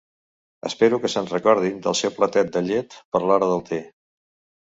Espero que se'n recordin del seu platet de llet per l'hora del te.